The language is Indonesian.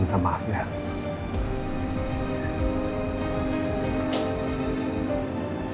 ketawa kau dah terus ke kanan